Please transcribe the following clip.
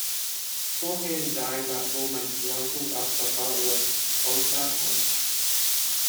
Cohen died at home in Toronto after a battle with lung cancer.